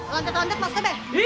lancet lancet maksudnya be